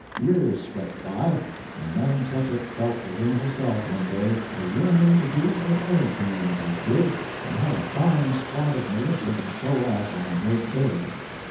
Years swept by, and Nantucket felt within herself one day a yearning to do as other communities did, and have a fine squad of militia to show off on great days.